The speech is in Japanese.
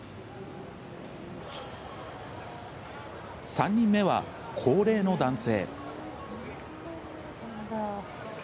３人目は、高齢の男性。